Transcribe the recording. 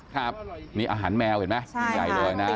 ครับนี่อาหารแมวเห็นไหมชิ้นใหญ่เลยนะ